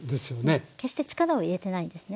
決して力を入れてないんですね。